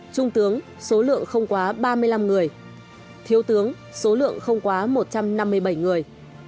trung tướng số lượng không quá ba mươi năm người thiếu tướng số lượng không quá một trăm năm mươi bảy người